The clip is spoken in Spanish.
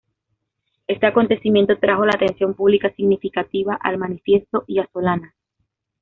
Este acontecimiento trajo la atención pública significativa al Manifiesto y a Solanas.